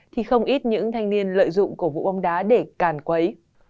thì không ít những thanh niên lợi dụng cổ vũ bóng đá để càn quấy